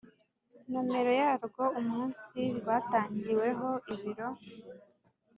nomero yarwo umunsi rwatangiweho ibiro